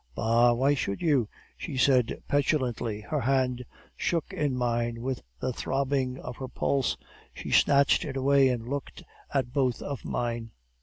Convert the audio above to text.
"'Bah! why should you?' she said petulantly. Her hand shook in mine with the throbbing of her pulse; she snatched it away, and looked at both of mine.